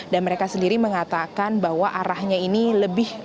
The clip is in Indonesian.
dan mereka sendiri mengatakan bahwa arahnya ini lebih